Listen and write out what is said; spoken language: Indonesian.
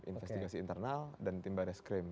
investigasi internal dan tim baris krim